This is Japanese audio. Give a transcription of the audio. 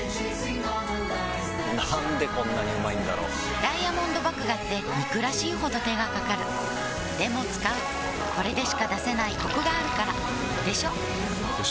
なんでこんなにうまいんだろうダイヤモンド麦芽って憎らしいほど手がかかるでも使うこれでしか出せないコクがあるからでしょよ